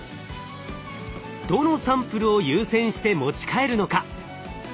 どのサンプルを優先して持ち帰るのか？